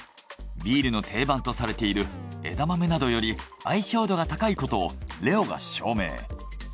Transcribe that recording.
ビールの定番とされている枝豆などより相性度が高いことをレオが証明。